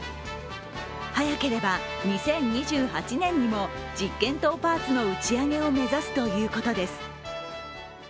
早ければ、２０２８年にも実験棟パーツの打ち上げを目指すということです。